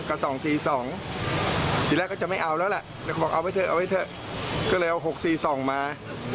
อ้าว๖๔๒มาก็เอาเลย